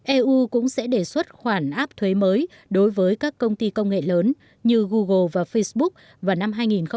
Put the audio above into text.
eu cũng sẽ đề xuất khoản áp thuế mới đối với các công ty công nghệ lớn như google và facebook vào năm hai nghìn hai mươi